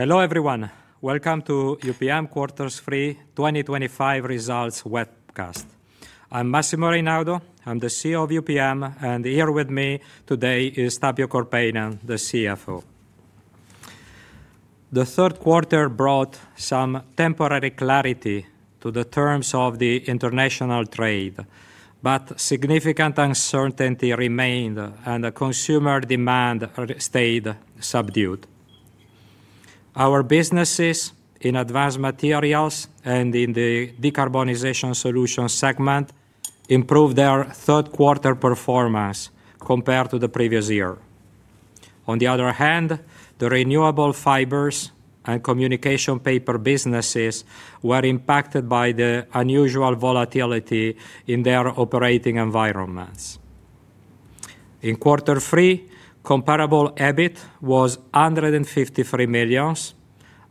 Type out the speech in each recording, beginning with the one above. Hello everyone. Welcome to UPM quarters 3 2025 results webcast. I'm Massimo Reynaudo, I'm the CEO of UPM and here with me today is Tapio Korpeinen, the CFO. The third quarter brought some temporary clarity to the terms of the international trade, but significant uncertainty remained and consumer demand stayed subdued. Our businesses in Advanced Materials and in the Decarbonization Solutions segment improved their third quarter performance compared to the previous year. On the other hand, the Renewable Fibers and Communication Papers businesses were impacted by the unusual volatility in their operating environments. In quarter three, comparable EBIT was 153 million,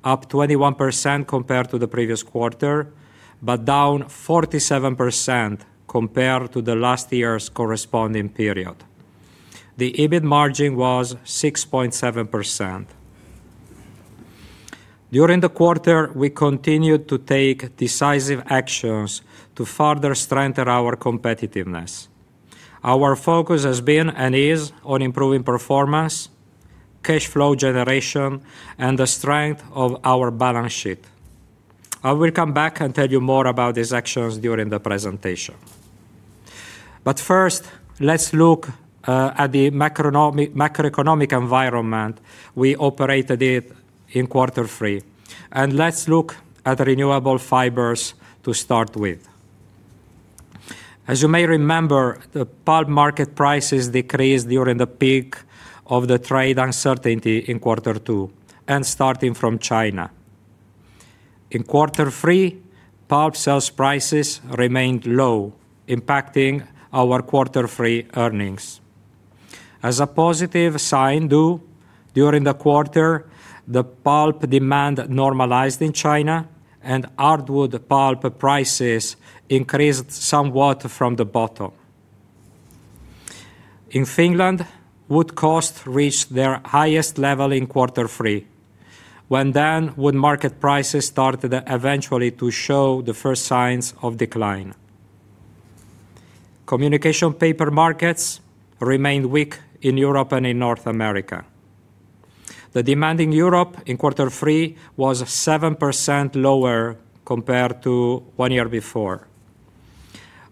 up 21% compared to the previous quarter, but down 47% compared to last year's corresponding period. The EBIT margin was 6.7%. During the quarter, we continued to take decisive actions to further strengthen our competitiveness. Our focus has been and is on improving performance, cash flow generation, and the strength of our balance sheet. I will come back and tell you more about these actions during the presentation. First, let's look at the macroeconomic environment we operated in in quarter three and let's look at Renewable Fibers to start with. As you may remember, the pulp market prices decreased during the peak of the trade uncertainty in quarter two and starting from China in quarter three, pulp sales prices remained low, impacting our quarter three earnings. As a positive sign during the quarter, the pulp demand normalized in China and hardwood pulp prices increased somewhat from the bottom. In Finland, wood costs reached their highest level in quarter three when then wood market prices started eventually to show the first signs of decline. Communication paper markets remained weak in Europe and in North America, the demand in Europe in quarter three was 7% lower compared to one year before.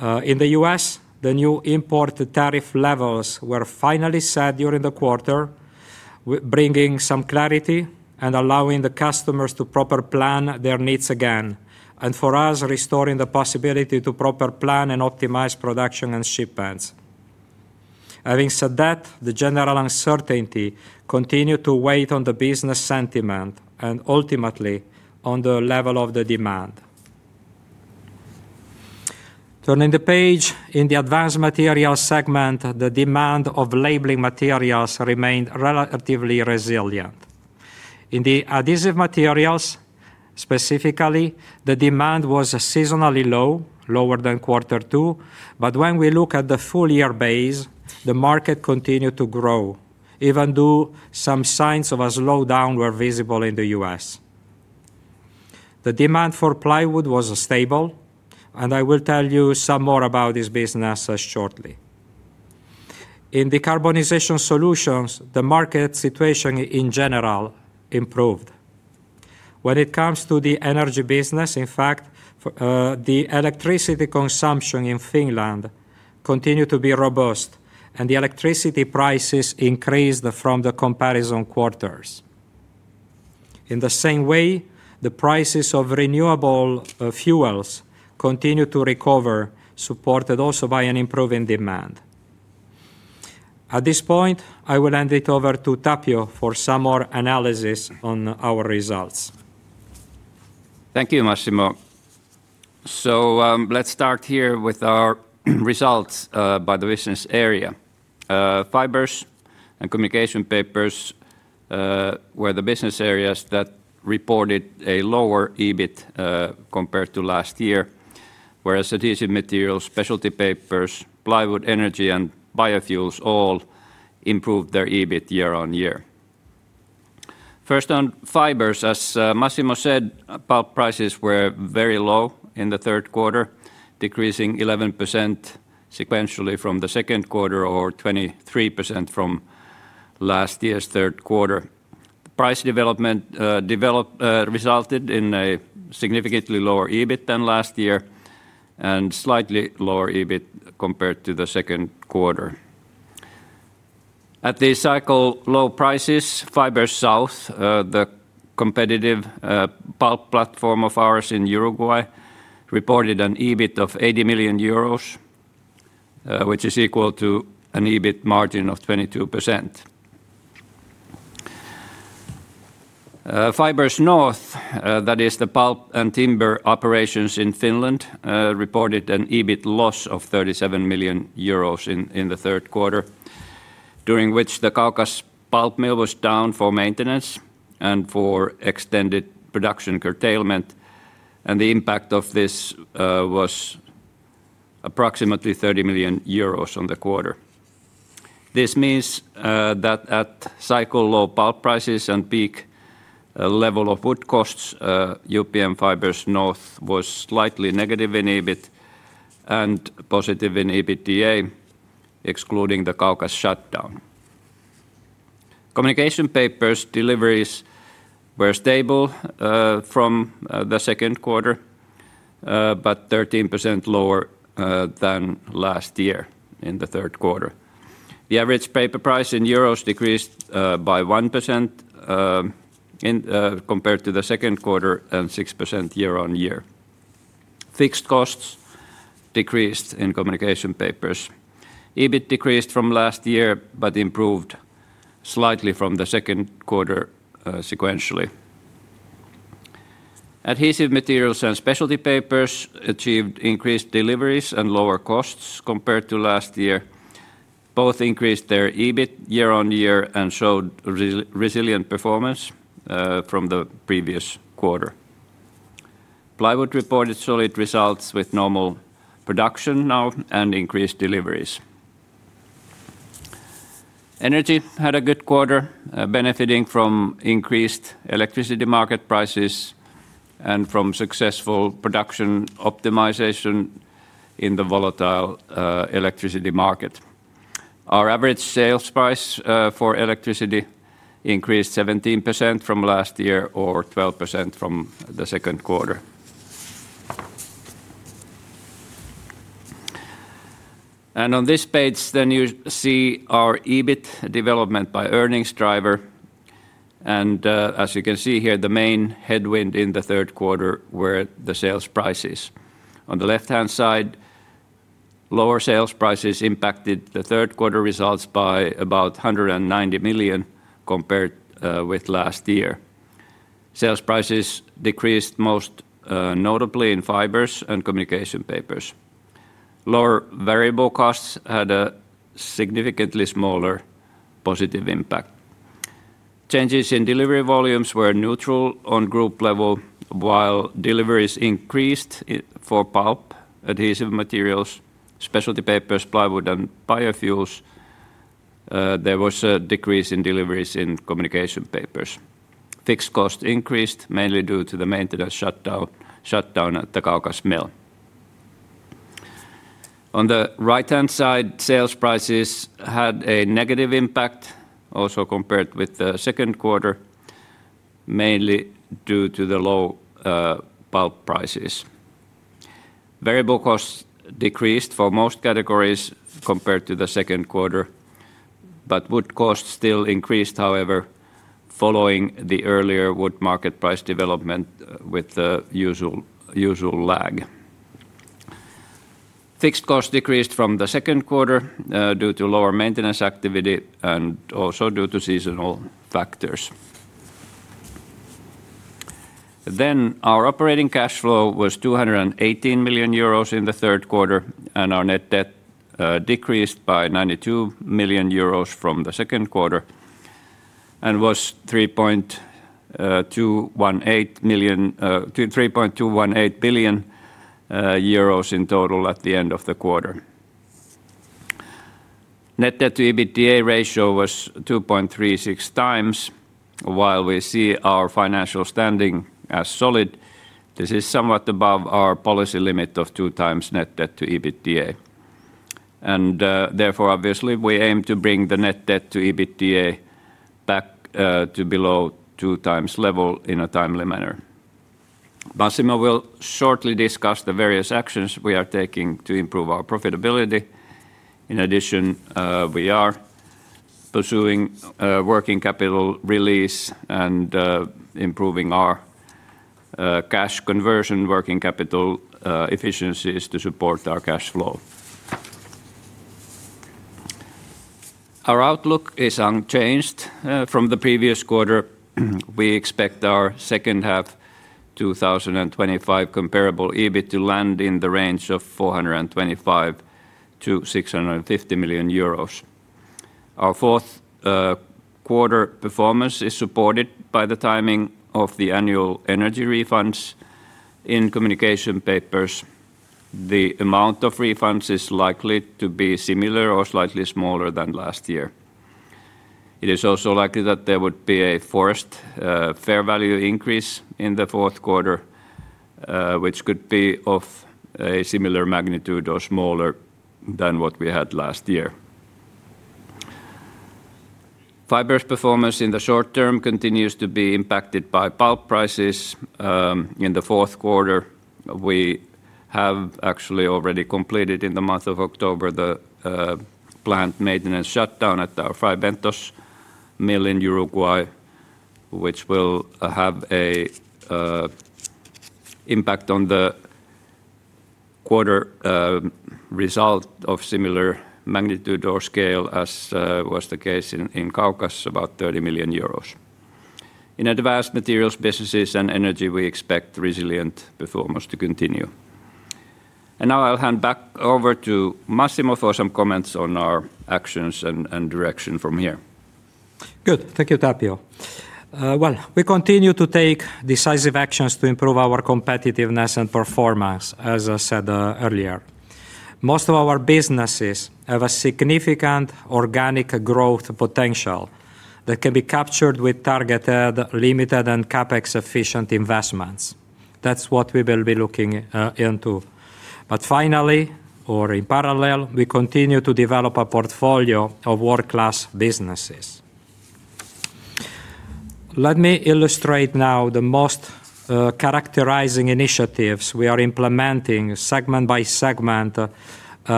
In the U.S., the new import tariff levels were finally set during the quarter, bringing some clarity and allowing the customers to properly plan their needs again and for us, restoring the possibility to properly plan and optimize production and shipments. Having said that, the general uncertainty continued to weigh on the business sentiment and ultimately on the level of the demand. Turning the page, in the Advanced Materials segment, the demand of labeling materials remained relatively resilient. In the adhesive materials specifically, the demand was seasonally low, lower than quarter two.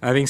When we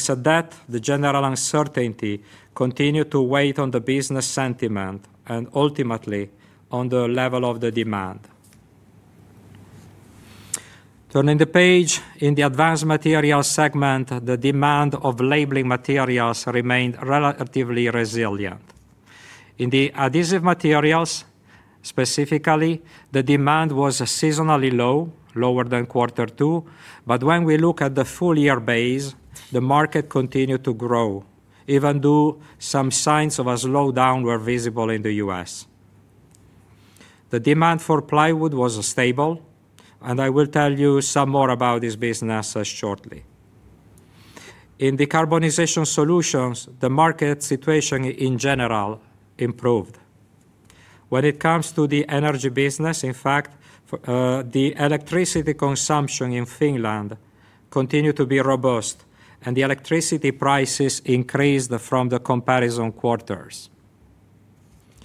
look at the full year base, the market continued to grow even though some signs of a slowdown were visible. In the U.S. the demand for Plywood was stable and I will tell you some more about this business shortly in Decarbonization Solutions. The market situation in general improved when it comes to the energy business. In fact, the electricity consumption in Finland continued to be robust and the electricity prices increased from the comparison quarters.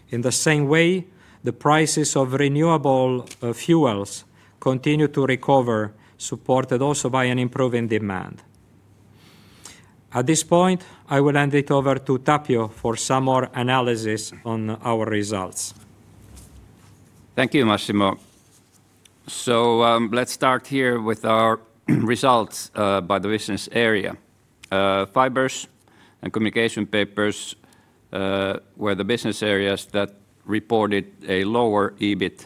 In the same way, the prices of renewable fuels continue to recover, supported also by an improving demand. At this point, I will hand it over to Tapio for some more analysis on our results. Thank you, Massimo. Let's start here with our results by the business area. Fibers and Communication Papers were the business areas that reported a lower EBIT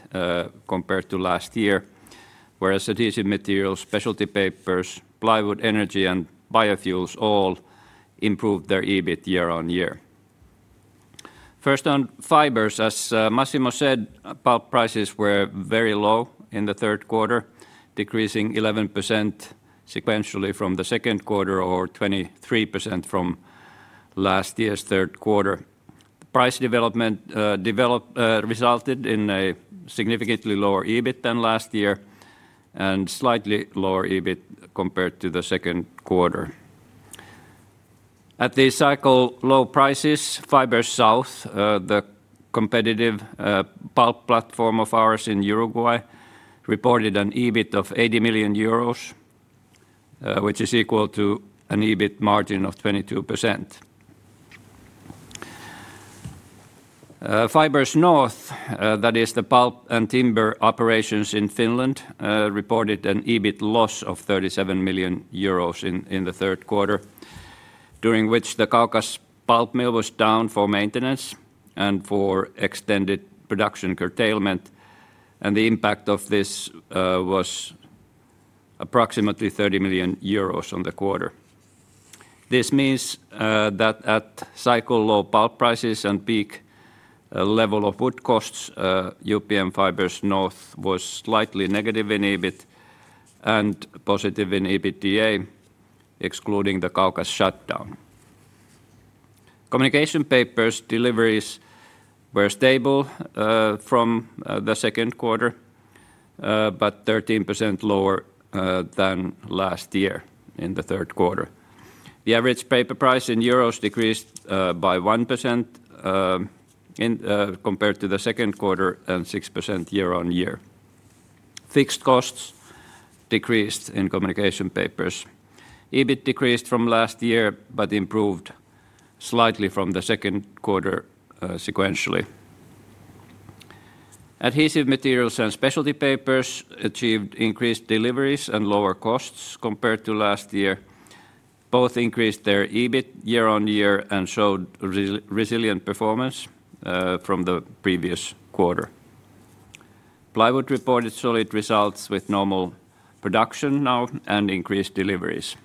compared to last year, whereas Adhesive Materials, Specialty Papers, Plywood, Energy, and Biofuels all improved their EBIT year-on-year. First on Fibers. As Massimo said, pulp prices were very low in the third quarter, decreasing 11% sequentially from the second quarter or 23% from last year's third quarter. Price development resulted in a significantly lower EBIT than last year and slightly lower EBIT compared to the second quarter at the cycle low prices. Fibres South, the competitive pulp platform of ours in Uruguay, reported an EBIT of 80 million euros, which is equal to an EBIT margin of 22%. Fibres North, that is the pulp and timber operations in Finland, reported an EBIT loss of 37 million euros in the third quarter, during which the Kaukas pulp mill was down for maintenance and for extended production curtailment. The impact of this was approximately 30 million euros on the quarter. This means that at cycle low pulp prices and peak level of wood costs, UPM Fibres North was slightly negative in EBITDA and positive in EBITDA excluding the Kaukas shutdown. Communication Papers deliveries were stable from the second quarter, but 13% lower than last year. In the third quarter, the average paper price in euros decreased by 1% compared to the second quarter and 6% year-on-year. Fixed costs decreased in Communication Papers. EBIT decreased from last year but improved slightly from the second quarter. Sequentially, Adhesive Materials and Specialty Papers achieved increased deliveries and lower costs compared to last year. Both increased their EBIT year-on-year and showed resilient performance from the previous quarter. Plywood reported solid results with normal production now and increased deliveries.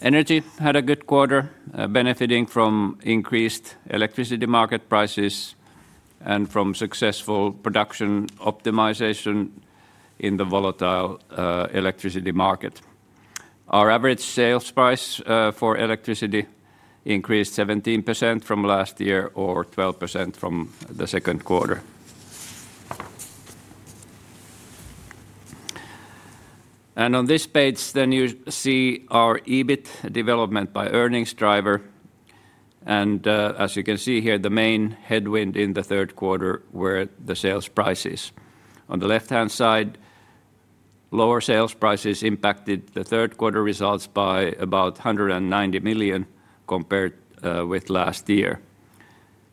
Energy had a good quarter, benefiting from increased electricity market prices and from successful production optimization in the volatile electricity market. Our average sales price for electricity increased 17% from last year or 12% from the second quarter. On this page, you see our EBIT development by earnings driver. As you can see here, the main headwind in the third quarter were the sales prices on the left-hand side. Lower sales prices impacted the third quarter results by about 190 million compared with last year.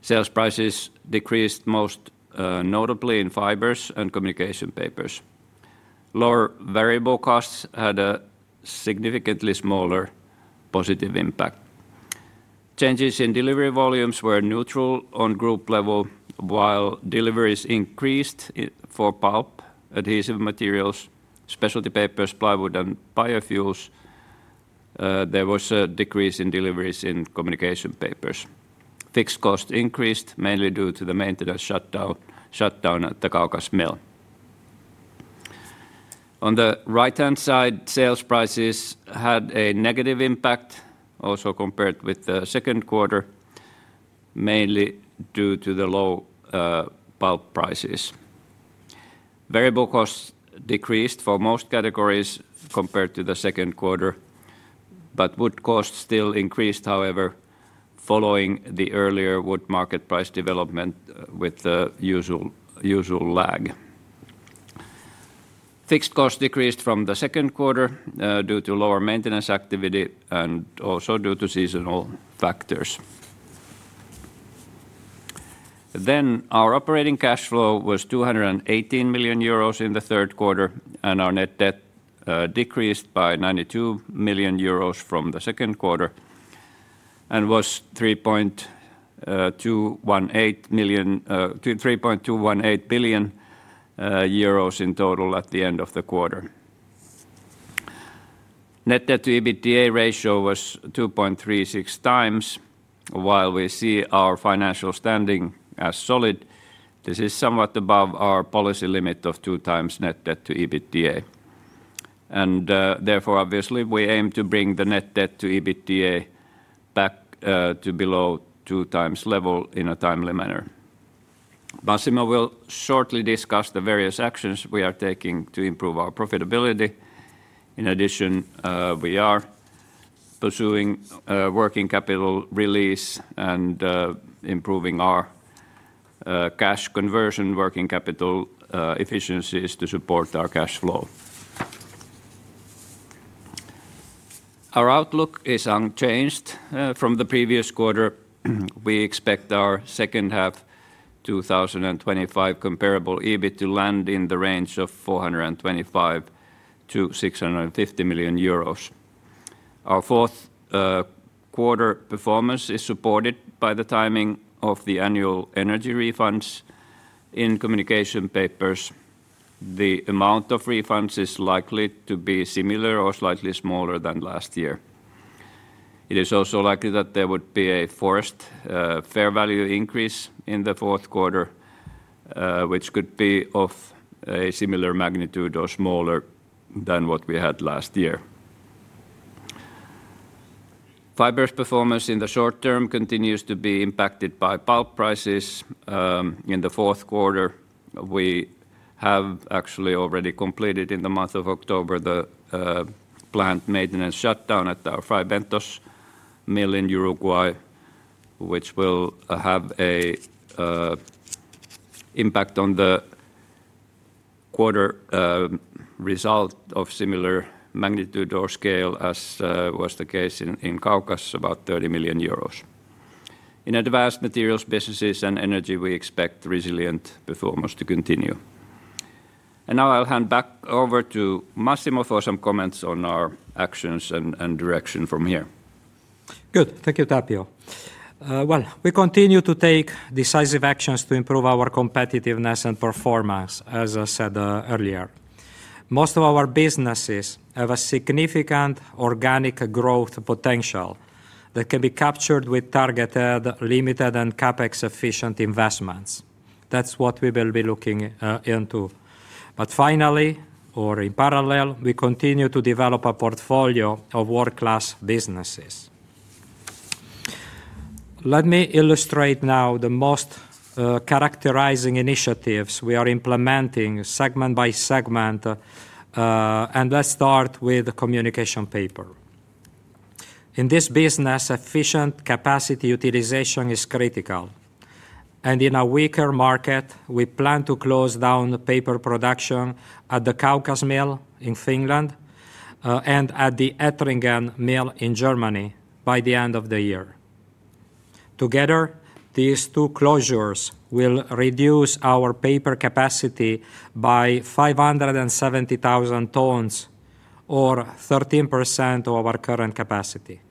Sales prices decreased most notably in Fibres and Communication Papers. Lower variable costs had a significantly smaller positive impact. Changes in delivery volumes were neutral on group level. While deliveries increased for pulp, adhesive Specialty Papers, Plywood, and pulp at higher fuels, there was a decrease in deliveries in Communication Papers. Fixed costs increased mainly due to the maintenance shutdown at the Kaukas mill. On the right-hand side, sales prices had a negative impact also compared with the second quarter mainly due to the low pulp prices. Variable costs decreased for most categories compared to the second quarter, but wood costs still increased. However, following the earlier wood market price development with the usual lag, fixed costs decreased from the second quarter due to lower maintenance activity and also due to seasonal factors. Our operating cash flow was 218 million euros in the third quarter and our net debt decreased by 92 million euros from the second quarter and was 3.218 billion euros in total. At the end of the quarter, net debt/EBITDA ratio was 2.36x. While we see our financial standing as solid, this is somewhat above our policy limit of 2x net debt/EBITDA and therefore obviously we aim to bring the net debt/EBITDA back to below 2x level in a timely manner. Massimo will shortly discuss the various actions we are taking to improve our profitability. In addition, we are pursuing working capital release and improving our cash conversion working capital efficiencies to support our cash flow. Our outlook is unchanged from the previous quarter. We expect our second half 2025 comparable EBIT to land in the range of 425 to 650 million euros. Our fourth quarter performance is supported by the timing of the annual energy refunds in Communication Papers. The amount of refunds is likely to be similar or slightly smaller than last year. It is also likely that there would be a forest fair value increase in the fourth quarter which could be of a similar magnitude or smaller than what we had last year. Fibres performance in the short term continues to be impacted by pulp prices in the fourth quarter. We have actually already completed in the month of October the plant maintenance shutdown at our Fray Bentos mill in Uruguay which will have an impact on the quarter result of similar magnitude or scale as was the case in Kaukas, about 30 million euros in Advanced Materials, businesses, and energy. We expect resilient performance to continue. I'll hand back over to Massimo for some comments on our actions and direction from here. Good, thank you Tapio. We continue to take decisive actions to improve our competitiveness and performance. As I said earlier, most of our businesses have a significant organic growth potential that can be captured with targeted, limited, and CapEx-efficient investments. That's what we will be looking into. Finally, or in parallel, we continue to develop a portfolio of world-class businesses. Let me illustrate now the most characterizing initiatives we are implementing segment by segment. Let's start with Communication Papers. In this business, efficient capacity utilization is critical, and in a weaker market, we plan to close down paper production at the Kaukas mill in Finland and at the Ettringen mill in Germany by the end of the year. Together, these two closures will reduce our paper capacity by 570,000 tonnes, or 13% of our current capacity.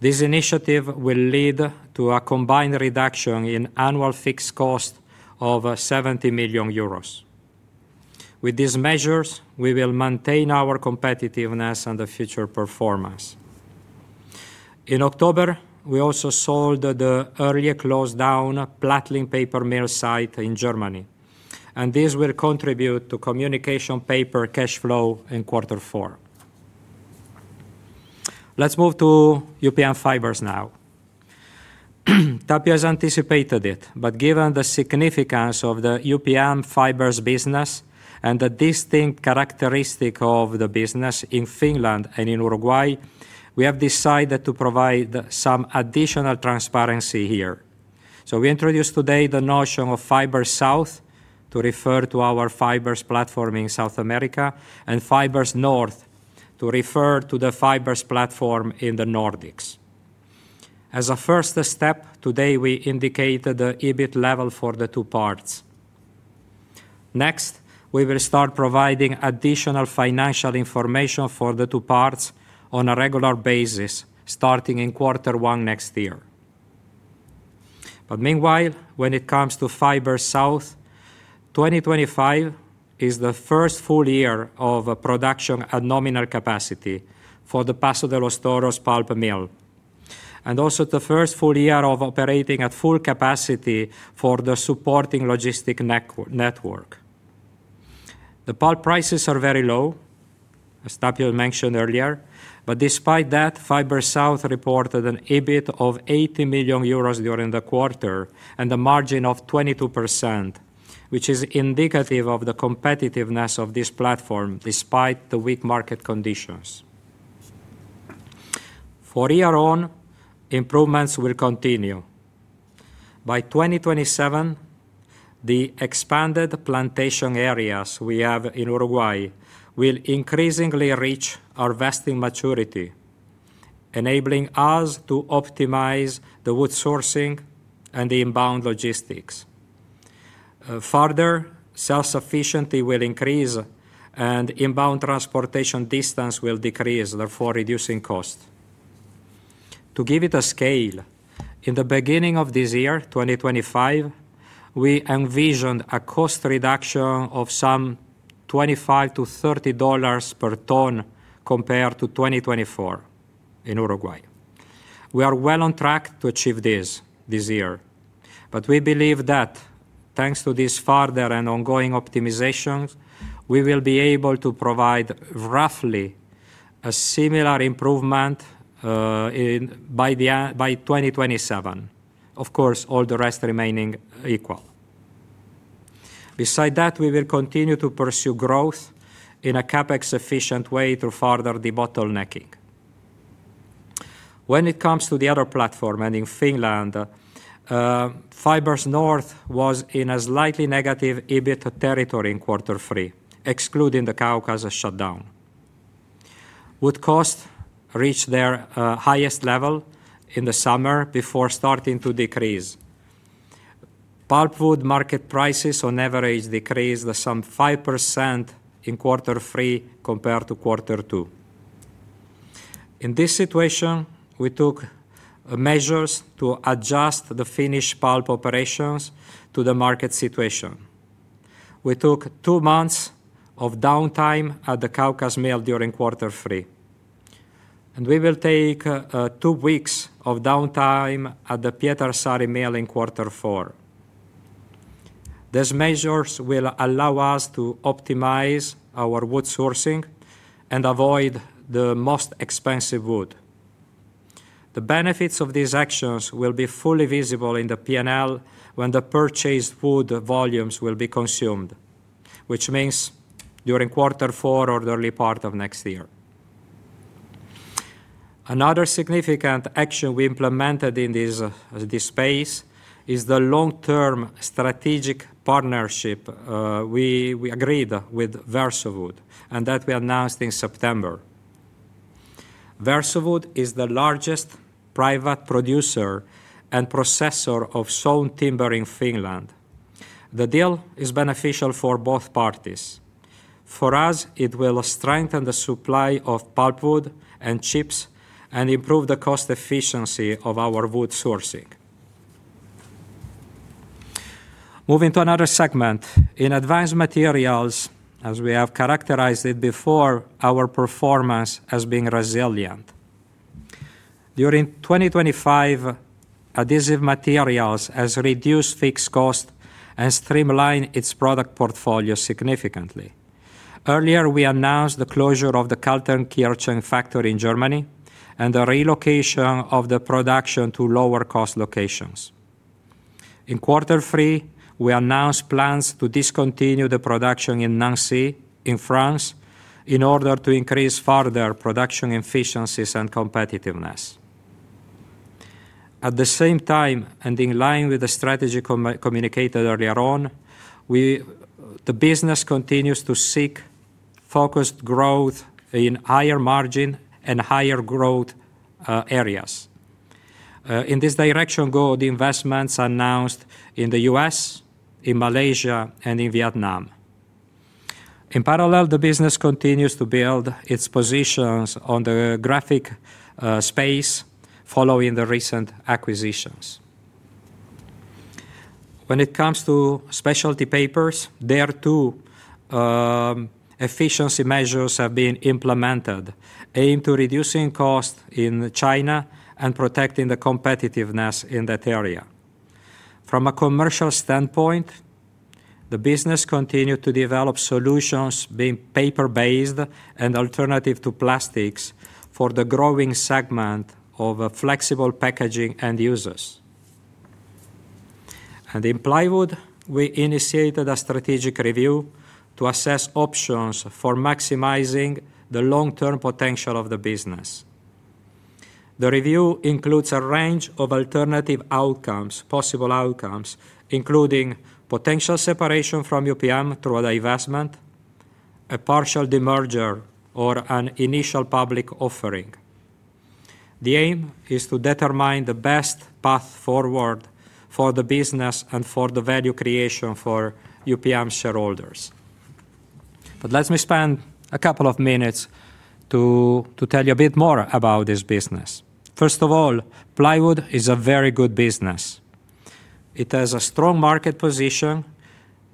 This initiative will lead to a combined reduction in annual fixed costs of 70 million euros. With these measures, we will maintain our competitiveness and future performance. In October, we also sold the earlier closed down Plattling paper mill site in Germany, and this will contribute to Communication Papers cash flow in quarter four. Let's move to UPM Fibres now. Tapio has anticipated it, but given the significance of the UPM Fibres business and the distinct characteristic of the business in Finland and in Uruguay, we have decided to provide some additional transparency here. We introduce today the notion of Fibres South to refer to our fibers platform in South America and Fibres North to refer to the fibers platform in the Nordics. As a first step, today we indicated the EBIT level for the two parts. Next, we will start providing additional financial information for the two parts on a regular basis starting in quarter one next year. Meanwhile, when it comes to Fibres South, 2025 is the first full year of production at nominal capacity for the Paso de los Toros pulp mill and also the first full year of operating at full capacity for the supporting logistic network. The pulp prices are very low, as Tapio mentioned earlier. Despite that, Fibres South reported an EBIT of 80 million euros during the quarter and a margin of 22%, which is indicative of the competitiveness of this platform. Despite the weak market conditions for year on, improvements will continue. By 2027, the expanded plantation areas we have in Uruguay will increasingly reach our vesting maturity, enabling us to optimize the wood sourcing and the inbound logistics. Further, self-sufficiency will increase and inbound transportation distance will decrease, therefore reducing cost. To give it a scale, in the beginning of this year, 2025, we envisioned a cost reduction of some $25-$30 per ton compared to 2024 in Uruguay. We are well on track to achieve this this year, but we believe that thanks to this further and ongoing optimizations, we will be able to provide roughly a similar improvement by 2027, of course, all the rest remaining equal. Beside that, we will continue to pursue growth in a CapEx efficient way to further the bottlenecking when it comes to the other platform and in Finland, Fibres North was in a slightly negative EBIT territory in quarter three. Excluding the Kaukas shutdown, wood costs reached their highest level in the summer before starting to decrease. Pulpwood market prices on average decreased some 5% in quarter three compared to quarter two. In this situation, we took measures to adjust the Finnish pulp operations to the market situation. We took two months of downtime at the Kaukas mill during quarter three and we will take two weeks of downtime at the Pietarsaari mill in quarter four. These measures will allow us to optimize our wood sourcing and avoid the most expensive wood. The benefits of these actions will be fully visible in the P&L when the purchased wood volumes will be consumed, which means during quarter four or the early part of next year. Another significant action we implemented in this space is the long-term strategic partnership we agreed with Versowood and that we announced in September. Versowood is the largest private producer and processor of sawn timber in Finland. The deal is beneficial for both parties. For us, it will strengthen the supply of pulpwood and chips and improve the cost efficiency of our wood sourcing. we announced plans to discontinue the production in Nancy in France in order to increase further production efficiencies and competitiveness. At the same time, and in line with the strategy communicated earlier on, the business continues to seek focused growth in higher margin and higher growth areas. In this direction go the investments announced in the US, in Malaysia, and in Vietnam. In parallel, the business continues to build its positions on the graphic space following the recent acquisitions. When it comes Specialty Papers, there too, efficiency measures have been implemented aimed at reducing cost in China and protecting the competitiveness in that area. From a commercial standpoint, the business continued to develop solutions being paper based and alternative to plastics for the growing segment of flexible packaging end users, and in Plywood, we initiated a strategic review to assess options for maximizing the long term potential of the business. The review includes a range of alternative outcomes. Possible outcomes include potential separation from UPM through a divestment, a partial demerger, or an initial public offering. The aim is to determine the best path forward for the business and for the value creation for UPM shareholders. Let me spend a couple of minutes to tell you a bit more about this business. First of all, Plywood is a very good business. It has a strong market position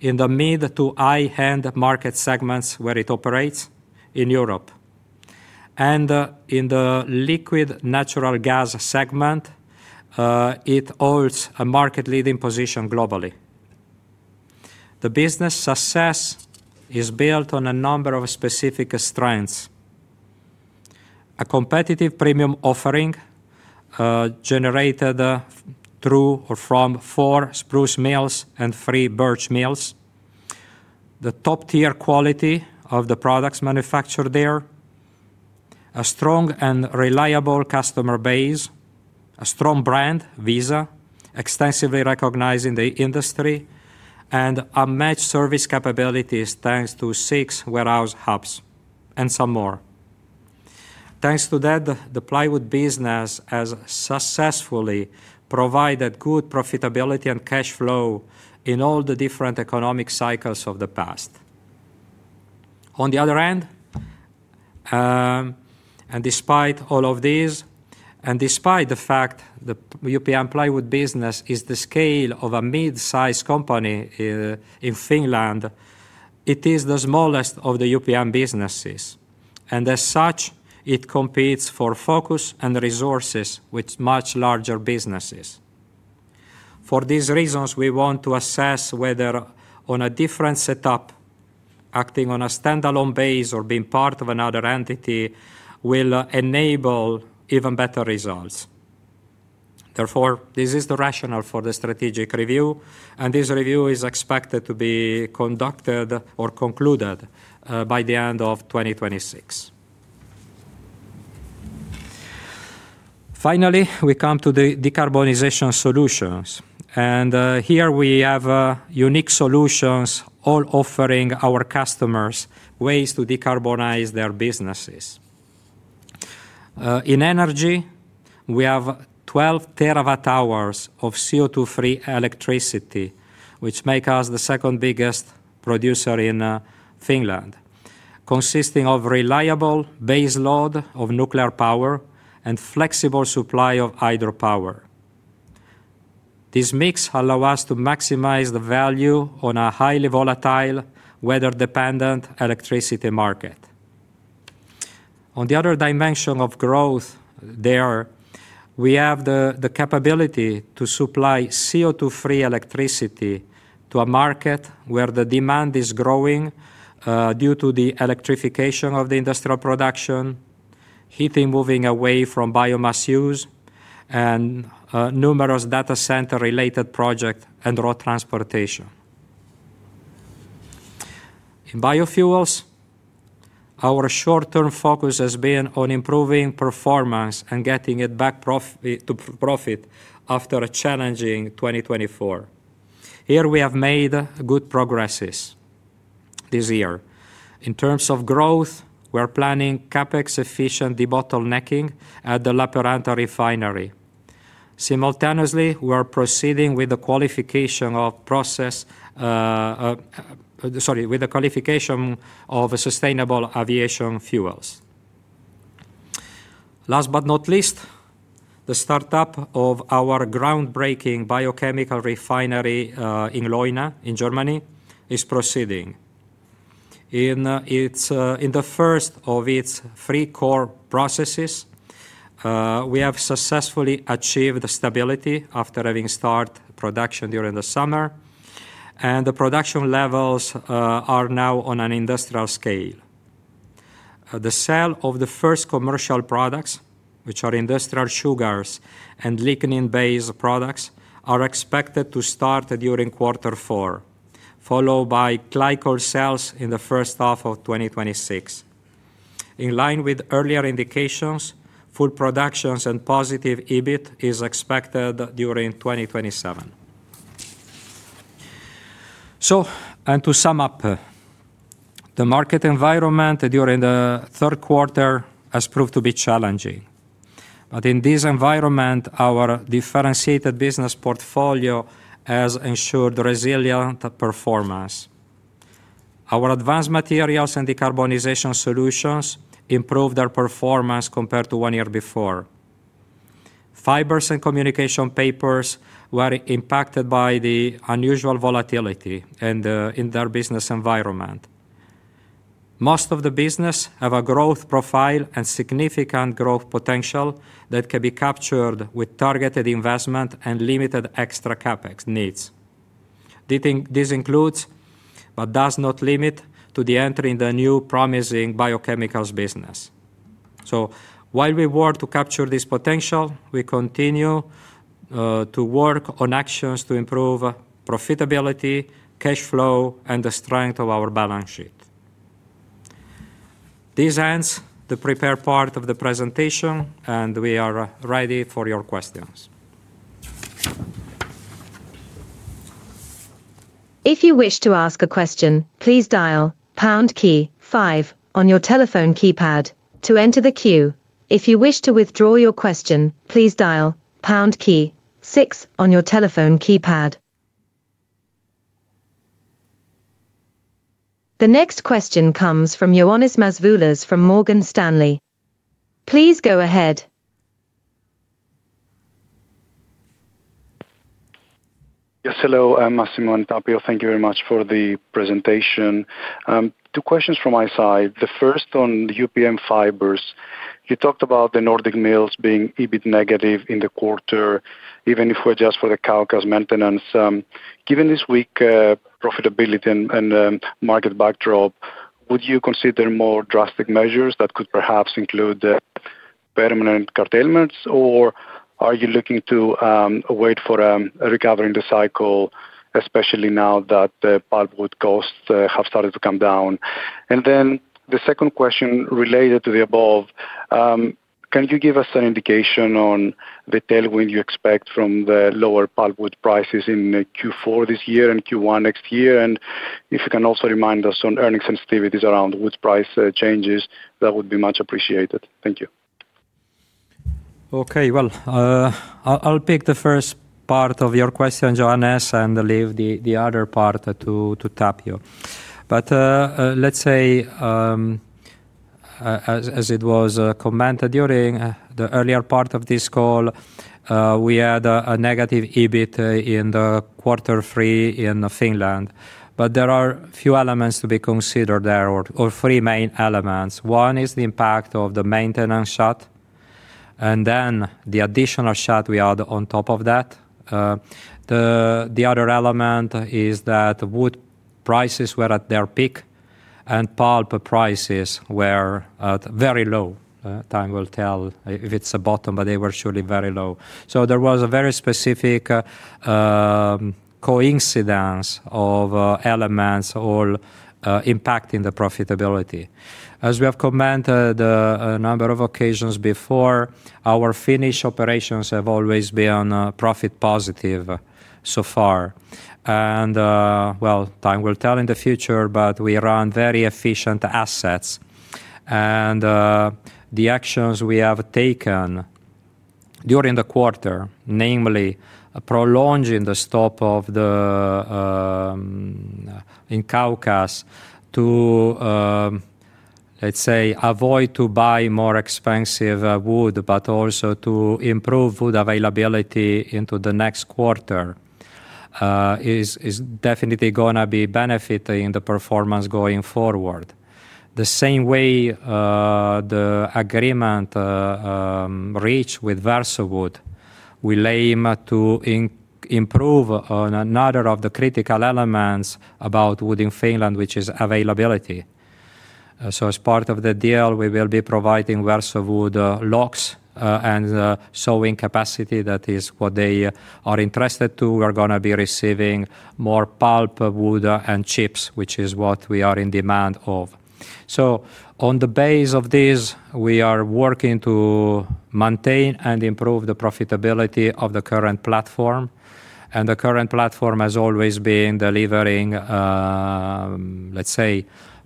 in the mid to high end market segments where it operates in Europe, and in the liquid natural gas segment it holds a market leading position globally. The business success is built on a number of specific strengths. A competitive premium offering generated from four spruce mills and three birch mills, the top tier quality of the products manufactured there, a strong and reliable customer base, a strong brand, extensively recognized in the industry, and unmatched service capabilities. Thanks to six warehouse hubs and some more, thanks to that, the Plywood business has successfully provided good profitability and cash flow in all the different economic cycles of the past. On the other hand, and despite all of these, and despite the fact the UPM Plywood business is the scale of a mid sized company in Finland, it is the smallest of the UPM businesses and as such it competes for focus and resources with much larger businesses. For these reasons we want to assess whether on a different setup, acting on a standalone base or being part of another entity will enable even better results. Therefore, this is the rationale for the strategic review and this review is expected to be conducted by or concluded by the end of 2026. Finally, we come to the Decarbonization Solutions and here we have unique solutions all offering our customers ways to decarbonize their businesses. In energy we have 12 TWh of CO₂-free electricity which make us the second biggest producer in Finland, consisting of reliable baseload of nuclear power and flexible supply of hydropower. This mix allows us to maximize the value on a highly volatile weather-dependent electricity market. On the other dimension of growth, there we have the capability to supply CO₂-free electricity to a market where the demand is growing due to the electrification of the industrial production, heating moving away from biomass use, and numerous data center related projects and road transportation in biofuels. Our short-term focus has been on improving performance and getting it back profit after a challenging 2024. Here we have made good progress this year in terms of growth. We are planning CapEx-efficient debottlenecking at the Lappeenranta refinery. Simultaneously, we are proceeding with the qualification of sustainable aviation fuels. Last but not least, the startup of our groundbreaking biochemical refinery in Leuna in Germany is proceeding in the first of its three core processes. We have successfully achieved stability after having started production during the summer and the production levels are now on an industrial scale. The sale of the first commercial products, which are industrial sugars and lignin-based products, are expected to start during quarter four followed by glycol sales in the first half of 2026. In line with earlier indications, full production and positive EBIT is expected during 2027. To sum up, the market environment during the third quarter has proved to be challenging, but in this environment our differentiated business portfolio has ensured resilient performance. Our Advanced Materials and Decarbonization Solutions improved our performance compared to one year before. Fibres and Communication Papers were impacted by the unusual volatility in their business environment. Most of the business have a growth profile and significant growth potential that can be captured with targeted investment and limited extra CapEx needs. This includes, but does not limit to, entering the new promising biochemicals business. While we work to capture this potential, we continue to work on actions to improve profitability, cash flow, and the strength of our balance sheet. This ends the prepared part of the presentation and we are ready for your questions. If you wish to ask a question, please dial on your telephone keypad to enter the queue. If you wish to withdraw your question, please dial six on your telephone keypad. The next question comes from Ioannis Masvoulas from Morgan Stanley. Please go ahead. Yes, hello, Massimo and Tapio. Thank you very much for the presentation. Thank you. Two questions from my side. The first on the UPM Fibres. You talked about the Nordic mills being EBIT negative in the quarter, even if we adjust for the Kaukas maintenance. Given this weak profitability and market backdrop, would you consider more drastic measures that could perhaps include permanent curtailments? Are you looking to wait for a recovery in the cycle, especially now that the pulpwood costs have started to come down? The second question related to the above, can you give us an indication on the tailwind you expect from the lower pulpwood prices in Q4 this year and Q1 next year? If you can also remind us on earnings sensitivities around which price changes, that would be much appreciated. Thank you. Okay, I'll pick the first part of your question, Ioannis, and leave the other part to Tapio. As it was commented during the earlier part of this call, we had a negative EBIT in quarter three in Finland, but there are a few elements to be considered there, or three main elements. One is the impact of the maintenance shut and then the additional shut we had on top of that. The other element is that wood prices were at their peak and pulp prices were very low. Time will tell if it's a bottom, but they were surely very low. There was a very specific coincidence of elements all impacting the profitability. As we have commented on a number of occasions before, our Finnish operations have always been profit positive so far, and time will tell in the future, but we run very efficient assets and the actions we have taken during the quarter, namely prolonging the stop in Kaukas to avoid buying more expensive wood but also to improve wood availability into the next quarter, is definitely going to be benefiting the performance going forward. The same way, the agreement reached with Versowood will aim to improve on another of the critical elements about wood in Finland, which is availability. As part of the deal, we will be providing Versowood logs and sawing capacity. That is what they are interested in. We are going to be receiving more pulpwood and chips, which is what we are in demand of. On the basis of this, we are working to maintain and improve the profitability of the current platform, and the current platform has always been delivering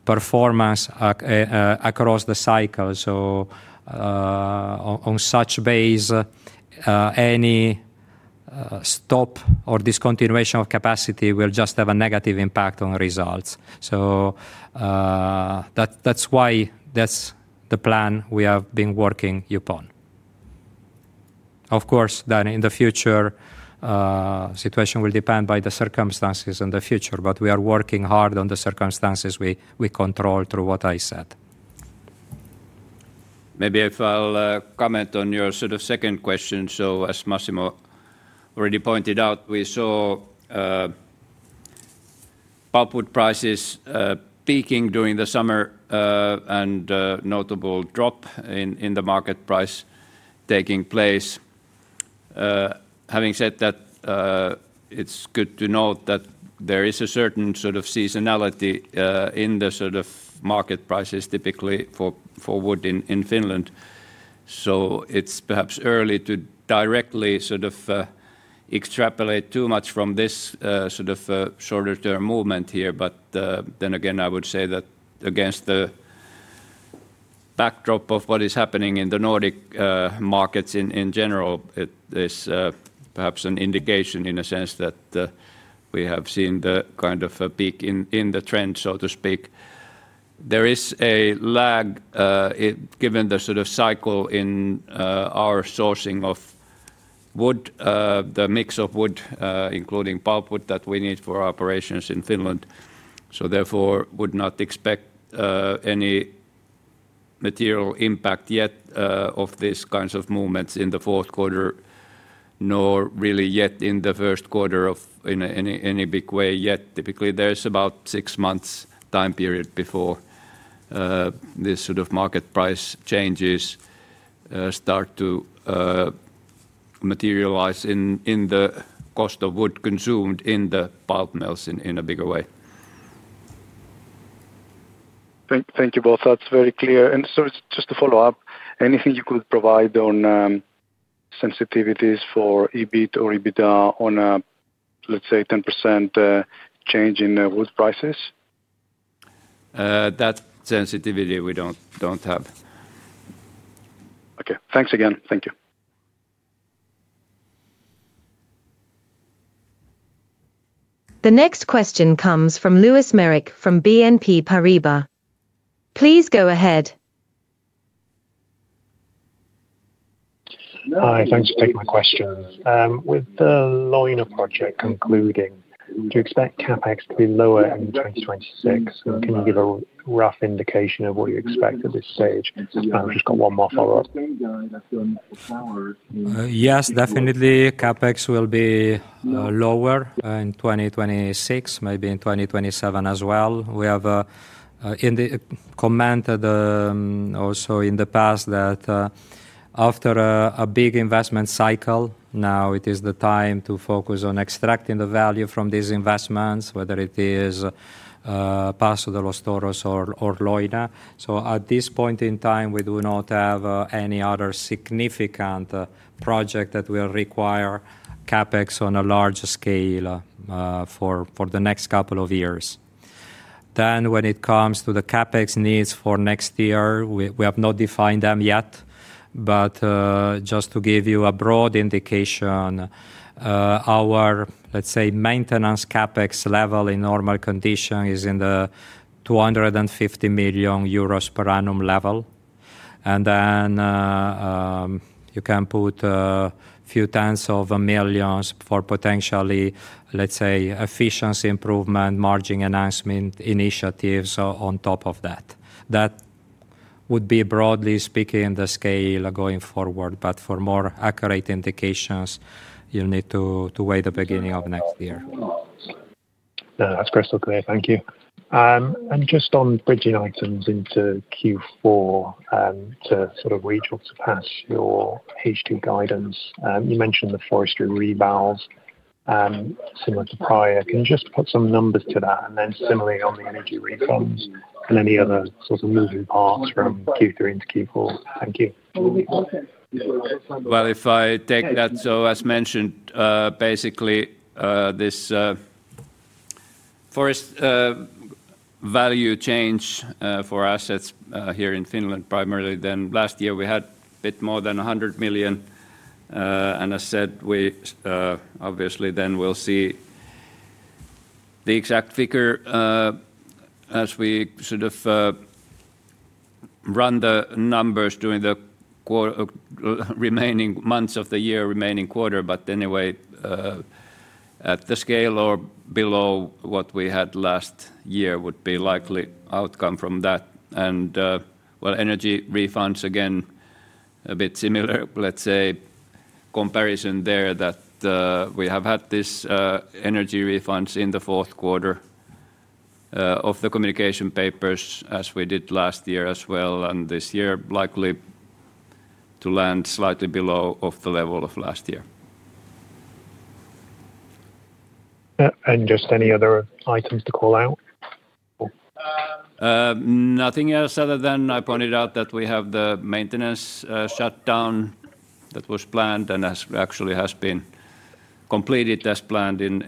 performance across the cycle. On such a basis, any stop or discontinuation of capacity will just have a negative impact on results. That's why that's the plan we have been working upon. Of course, in the future, the situation will depend on the circumstances in the future, but we are working hard on the circumstances we control through what I said. Maybe if I'll comment on your sort of second question. As Massimo already pointed out, we saw pulpwood prices peaking during the summer and a notable drop in the market price taking place. Having said that, it's good to note that there is a certain sort of seasonality in the sort of market prices typically for wood in Finland. It's perhaps early to directly sort of extrapolate too much from this sort of shorter term movement here. I would say that against the backdrop of what is happening in the Nordic markets in general, this is perhaps an indication in a sense that we have seen the kind of a peak in the trend, so to speak. There is a lag given the sort of cycle in our sourcing of wood, the mix of wood, including pulpwood that we need for operations in Finland. Therefore, would not expect any material impact yet of these kinds of movements in the fourth quarter, nor really yet in the first quarter in any big way yet. Typically there's about six months time period before this sort of market price changes start to materialize in the cost of wood consumed in the pulp mills in a bigger way. Thank you both, that's very clear. Just to follow up, anything you could provide on sensitivities for EBIT or EBITDA on let's say 10% change in wood prices? That sensitivity we don't have. Okay, thanks again. Thank you. The next question comes from Lewis Merrick from BNP Paribas. Please go ahead. Hi, thanks for taking Leuna biochemical refinery project concluding, do you expect CapEx to be lower in 2026, and can you give a rough indication of what you expect at this stage? I've just got one more follow-up. Yes, definitely CapEx will be lower in 2026, maybe in 2027 as well. We have commented also in the past that after a big investment cycle, now it is the time to focus on extracting the value from these investments, whether it is Paso de los Toros or Leuna. At this point in time we do not have any other significant project that will require CapEx on a larger scale for the next couple of years. When it comes to the CapEx needs for next year, we have not defined them yet, but just to give you a broad indication, our, let's say, maintenance CapEx level in normal condition is in the 250 million euros per annum level. You can put few tens of millions for potentially, let's say, efficiency improvement, margin enhancement initiatives on top of that. That would be, broadly speaking, the scale going forward. For more accurate indications you'll need to wait the beginning of next year. That's crystal clear. Thank you. Just on bridging items into Q4 to sort of reach or surpass your H2 guidance, you mentioned the forest asset revaluations similar to prior. Can you just put some numbers to that? Similarly, on the energy refunds and any other sort of moving parts from Q3 into Q4. Thank you. If I take that, as mentioned, basically this forest value change for assets here in Finland primarily, then last year we had a bit more than 100 million, and I said we obviously will see the exact figure as we sort of run the numbers during the remaining months of the year, remaining quarter. Anyway, at the scale or below what we had last year would be a likely outcome from that. Energy refunds, again, a bit similar comparison there, that we have had these energy refunds in the fourth quarter of the Communication Papers as we did last year as well, and this year likely to land slightly below the level of last year. Are there any other items to call out? Nothing else other than I pointed out that we have the maintenance shutdown that was planned and actually has been completed as planned in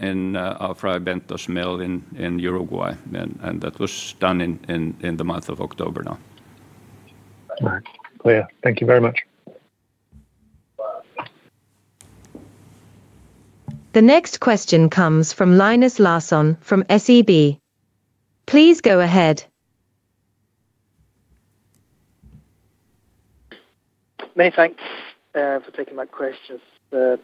Fray Bentos mill in Uruguay, and that was done in the month of October. Now. Thank you very much. The next question comes from Linus Larsson from SEB, please go ahead. Many thanks for taking my questions to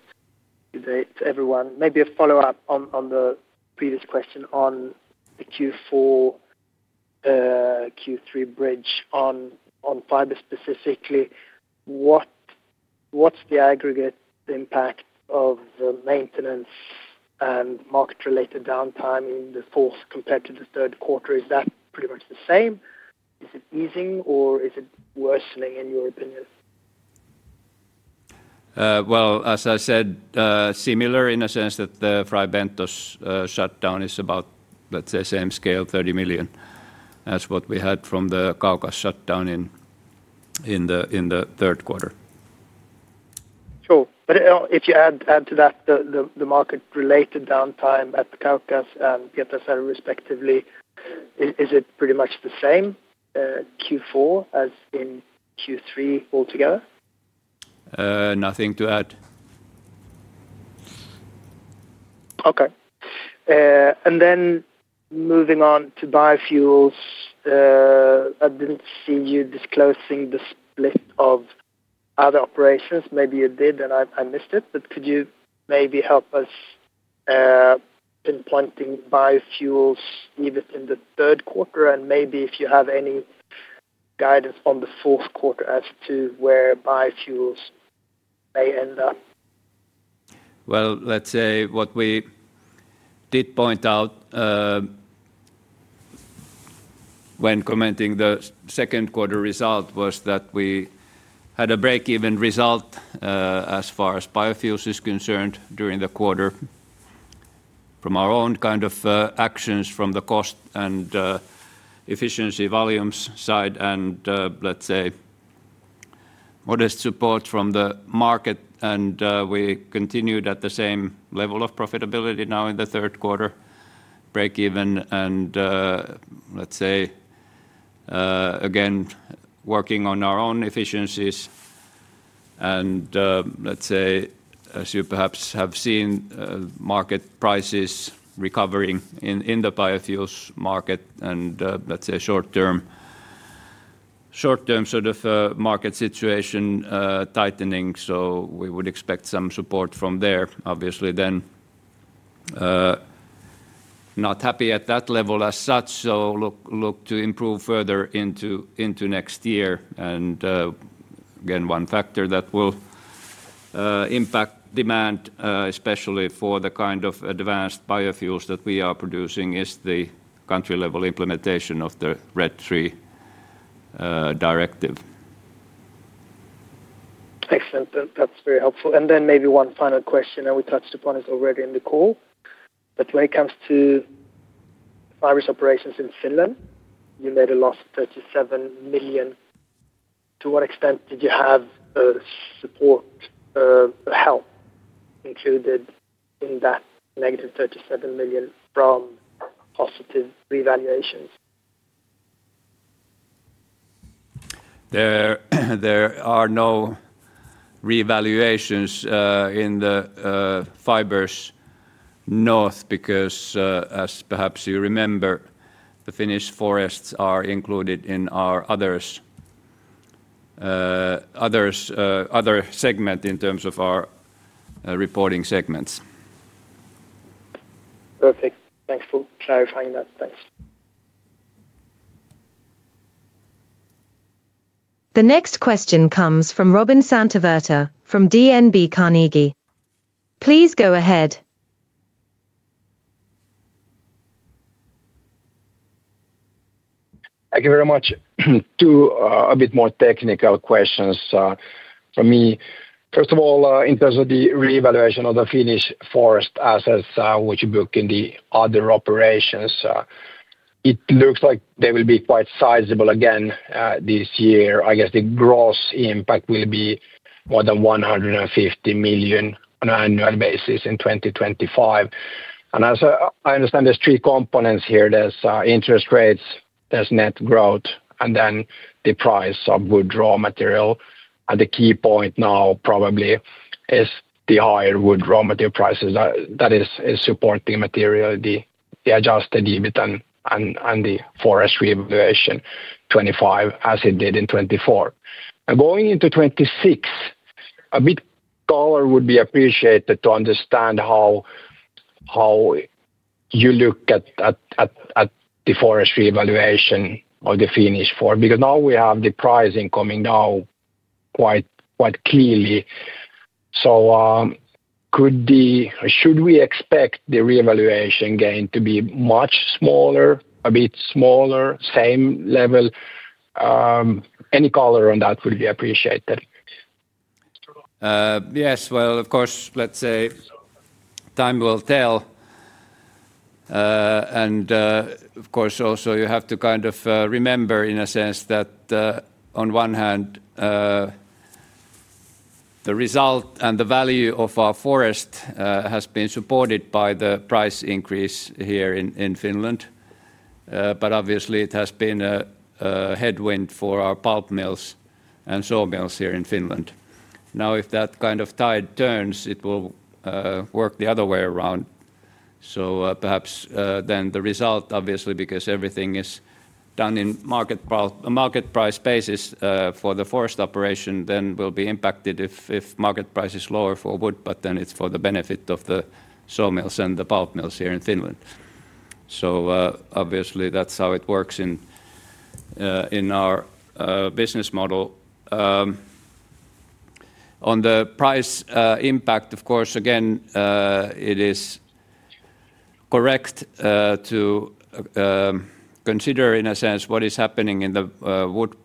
everyone. Maybe a follow up on the previous question on the Q4 Q3 bridge on fiber. Specifically, what's the aggregate impact of the maintenance and market related downtime in the fourth compared to the third quarter? Is that pretty much the same? Is it easing or is it worsening in your opinion? As I said, similar in a sense that the Fray Bentos shutdown is about, let's say, same scale, 30 million. That's what we had from the Kaukas shutdown in the third quarter. If you add to that the market related downtime at the Kaukas and Pietarsaari respectively, is it pretty much the same Q4 as in Q3 altogether Nothing to add. Okay. Moving on to biofuels, I didn't see you disclosing the split of other operations. Maybe you did and I missed it. Could you maybe help us in planting biofuels even in the third quarter and maybe if you have any guidance on the fourth quarter as to where biofuels may end up. What we did point out when commenting on the second quarter result was that we had a breakeven result as far as biofuels is concerned during the quarter from our own kind of actions, from the cost and efficiency volumes side, and modest support from the market. We continued at the same level of profitability now in the third quarter, breakeven, and again working on our own efficiencies. As you perhaps have seen, market prices are recovering in the biofuels market and, short term, the market situation is tightening. We would expect some support from there. Obviously, not happy at that level as such, we look to improve further into next year. Again, one factor that will impact demand, especially for the kind of advanced biofuels that we are producing, is the country-level implementation of the RED III Directive. Excellent. That's and then maybe one final question. We touched upon it already in the call, but when it comes to Fibres North operations in Finland, you made a loss of 37 million. To what extent did you have support help included in that negative 37 million from positive forest asset revaluations? There are no revaluations in the Fibres North because as perhaps you remember the Finnish forests are included in our Other segment in terms of our reporting segments. Perfect. Thanks for clarifying that. Thanks. The next question comes from Robin Santavirta from DNB Carnegie. Please go ahead. Thank you very much. Two a bit more technical questions for me. First of all, in terms of the revaluation of the Finnish forest assets which you book in the other operations, it looks like they will be quite sizable again this year. I guess the gross impact will be more than 150 million on an annual basis in 2025. As I understand, there's three components here. There's interest rates, there's net growth, and then the price of wood raw material. The key point now probably is the higher wood raw material prices, that is supporting material, the adjusted EBITDA and the forest revaluation 2025 as it did in 2024. Going into 2026, a bit of color would be appreciated to understand how you look at the forest revaluation of the Finnish forest because now we have the pricing coming now quite clearly. Should we expect the revaluation gain to be much smaller, a bit smaller, or the same level? Any color on that would be appreciated. Of course, time will tell. You have to kind of remember in a sense that on one hand the result and the value of our forest has been supported by the price increase here in Finland. Obviously, it has been a headwind for our pulp mills and sawmills here in Finland. If that kind of tide turns, it will work the other way around. Perhaps then the result, because everything is done on a market price basis for the forest operation, will be impacted if market price is lower for wood, but then it's for the benefit of the sawmills and the pulp mills here in Finland. That's how it works in our business model on the price impact. It is correct to consider in a sense what is happening in the wood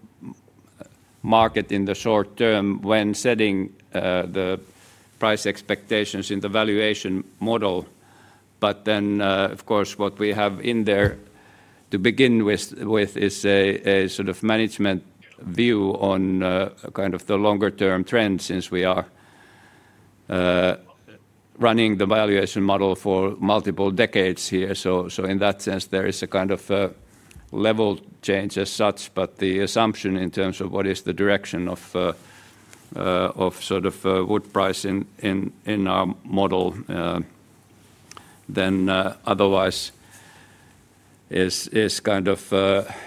market in the short term when setting the price expectations in the valuation model. What we have in there to begin with is a sort of management view on the longer term trend since we are running the valuation model for multiple decades here. In that sense there is a kind of level change as such. The assumption in terms of what is the direction of wood price in our model is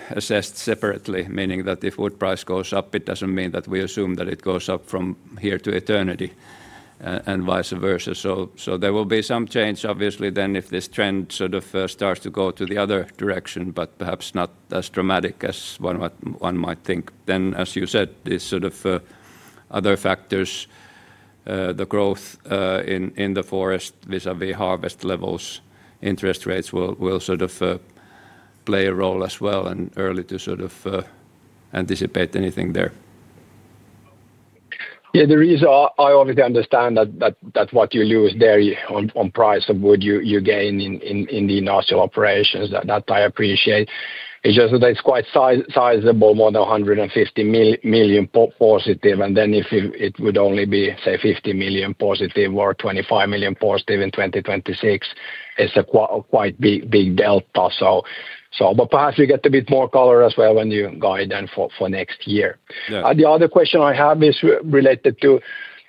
assessed separately. Meaning that if wood price goes up, it doesn't mean that we assume that it goes up from here to eternity and vice versa. There will be some change if this trend starts to go to the other direction, but perhaps not as dramatic as one might think. As you said, other factors, the growth in the forest vis-à-vis harvest levels, interest rates will play a role as well and it is early to anticipate anything there. Yeah, there is. I obviously understand that what you lose there on price of wood you gain in the industrial operations. That I appreciate. It's just that it's quite sizable, more than 150 million positive. If it would only be, say, $50 million positive or 25 million positive in 2026, it's quite a big delta. Perhaps you get a bit more color as well when you guide them for next. The other question I have is related to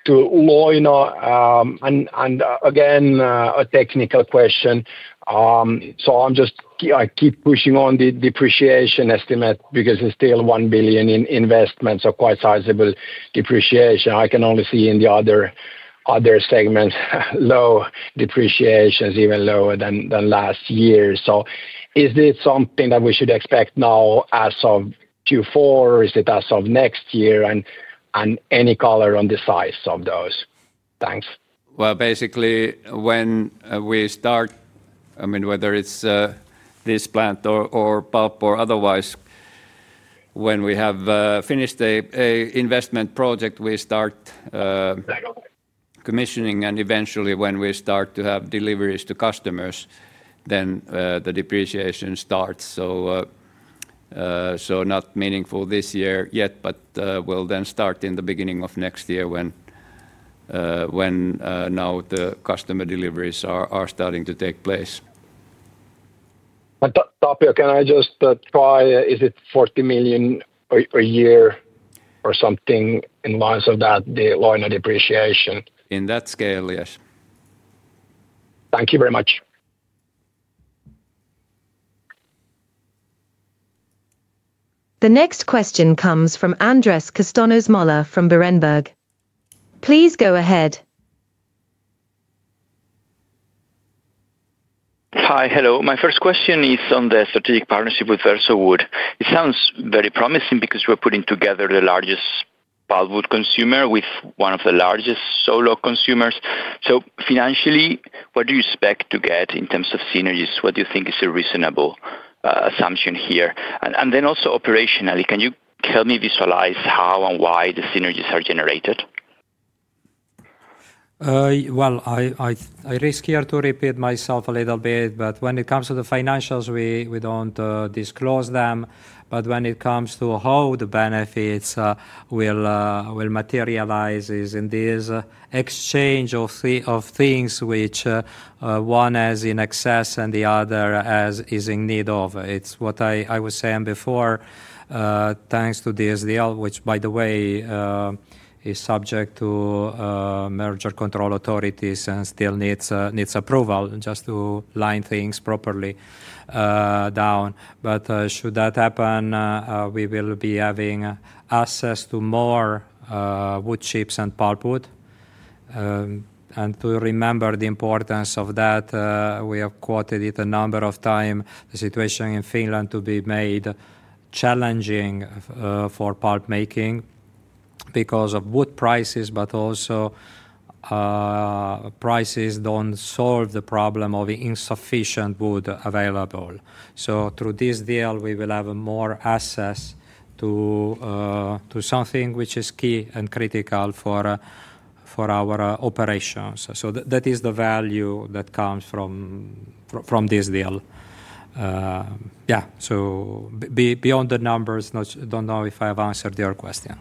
Leuna and again a technical question. I'm just keep pushing on the depreciation estimate because it's still 1 billion in investments or quite sizable depreciation. I can only see in the other segments low depreciation, even lower than last year. Is this something that we should expect now as of Q4, is it as of next year, and any color on the size of those? Thanks. When we start, I mean, whether it's this plant or pulp or otherwise, when we have finished an investment project, we start commissioning and eventually when we start to have deliveries to customers, then the depreciation starts. Not meaningful this year yet, but will then start in the beginning of next year when now the customer deliveries are starting to take place. Tapio, can I just try. Is it 40 million a year or something in lines of that? The line of depreciation? In that scale? Yes. Thank you very much. The next question comes from Andrés Castaños-Mollor from Berenberg. Please go ahead. Hi. Hello. My first question is on the strategic partnership with Versowood. It sounds very promising because we're putting together the largest pulpwood consumer with one of the largest sawlog consumers. Financially, what do you expect to get in terms of synergies? What do you think is a reasonable assumption here? Also, operationally, can you help me visualize how and why the synergies are generated? I risk here to repeat myself a little bit, but when it comes to the financials, we don't disclose them. When it comes to how the benefits will materialize in this exchange of things, which one is in excess and the other is in need of, it's what I was saying before, thanks to DSDL, which by the way is subject to merger control authorities and still needs approval just to line things properly down. Should that happen, we will be having access to more wood chips and pulpwood. To remember the importance of that, we have quoted it a number of times, the situation in Finland to be made challenging for pulp making because of wood prices, but also prices don't solve the problem of insufficient wood available. Through this deal we will have more access to something which is key and critical for our operations. That is the value that comes from this deal. Yeah. Beyond the numbers. Don't know if I have answered your question.